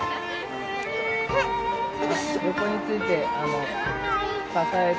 横について支えて。